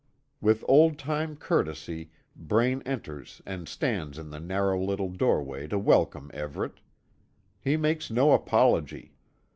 With old time courtesy Braine enters and stands in the narrow little doorway to welcome Everet. He makes no apology.